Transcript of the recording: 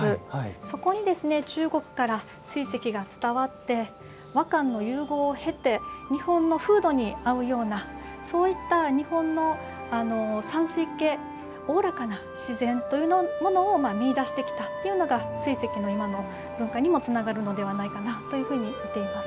そこに、中国から水石が伝わって和漢の融合を経て日本の風土に合うようなそういった日本のおおらかな自然というものを見いだしてきたというのが水石の今の文化につながるのではないかと思います。